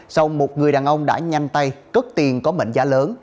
sau một người đàn ông đã nhanh tay cất tiền có mệnh giá lớn